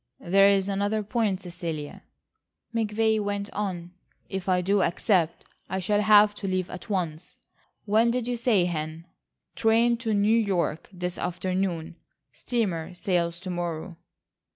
"There is another point, Cecilia," McVay went on, "if I do accept, I shall have to leave at once. When did you say, Hen?" "Train to New York this afternoon,—steamer sails to morrow."